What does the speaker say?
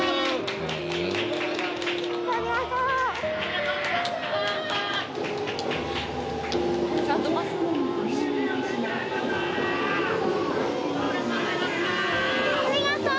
ありがとう！